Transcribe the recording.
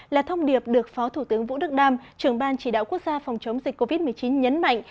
là thông điệp được phó thủ tướng vũ đức đam trưởng ban chỉ đạo quốc gia phòng chống dịch covid một mươi chín nhấn mạnh